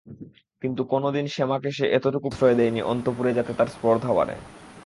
কিন্তু কোনোদিন শ্যামাকে সে এতটুকু প্রশ্রয় দেয় নি অন্তঃপুরে যাতে তার স্পর্ধা বাড়ে।